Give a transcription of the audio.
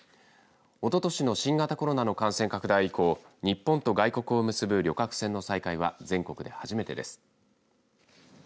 おととしの新型コロナの感染拡大以降日本と外国を結ぶ旅客船の再開は全国で初めてです。